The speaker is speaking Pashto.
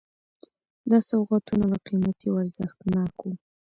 دا سوغاتونه به قیمتي او ارزښتناک وو.